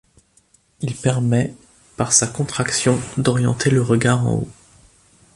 Il permet par sa contraction d'orienter le regard en haut.